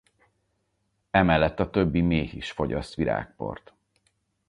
Emellett a többi méh is fogyaszt virágport.